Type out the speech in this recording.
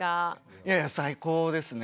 いや最高ですね。